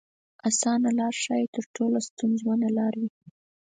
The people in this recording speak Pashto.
اسانه لار ښايي تر ټولو ستونزمنه لار وي.